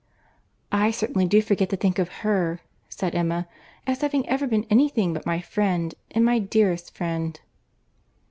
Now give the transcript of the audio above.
"I certainly do forget to think of her," said Emma, "as having ever been any thing but my friend and my dearest friend."